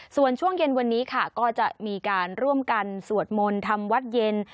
ส่วนช่วงเย็นวันนี้ค่ะก็จะมีการร่วมกันสวดมนต์ทำวัดเย็น